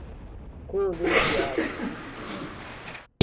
colegiado